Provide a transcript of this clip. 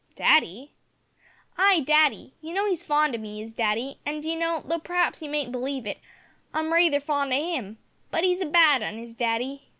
"Daddy?" "Ay, daddy. You know he's fond o' me, is daddy, and, d'ye know, though p'r'aps you mayn't believe it, I'm raither fond o' him; but 'e's a bad 'un, is daddy.